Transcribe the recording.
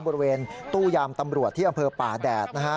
บริเวณตู้ยามตำรวจที่อำเภอป่าแดดนะฮะ